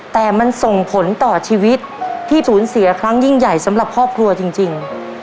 แต่มันส่งผลต่อชีวิตที่สูญเสียครั้งยิ่งใหญ่สำหรับครอบครัวจริง